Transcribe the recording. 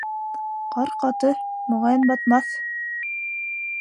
Ҡар ҡаты, моғайын, батмаҫ.